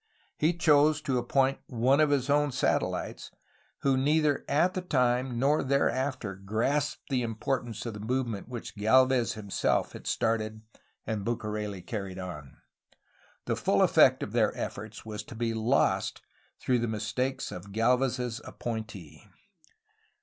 He chose to appoint one of his own satelhtes, who neither at the time nor thereafter grasped the importance of the movement which Gdlvez himself had started and Bucareli carried on. The full effect of their efforts was to be lost through the mistakes of Gdlvez^s appointee.